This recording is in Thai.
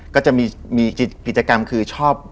ก็จะมีกิจกรรมคือชอบ